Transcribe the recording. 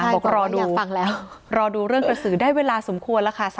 บอกรอดูฟังแล้วรอดูเรื่องกระสือได้เวลาสมควรแล้วค่ะ